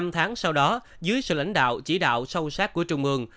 năm tháng sau đó dưới sự lãnh đạo chỉ đạo sâu sát của trung ương